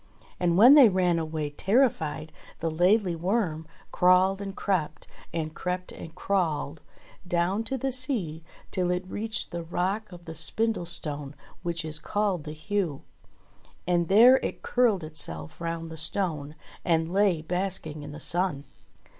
And when they ran away terrified, the Laidly Worm crawled and crept, and crept and crawled down to the sea till it reached the rock of the Spindlestone which is called the Heugh. And there it curled itself round the stone, and lay basking in the sun.